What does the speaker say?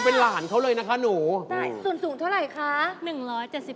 เพราะว่ารายการหาคู่ของเราเป็นรายการแรกนะครับ